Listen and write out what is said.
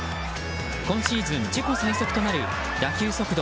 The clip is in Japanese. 今シーズン自己最速となる打球速度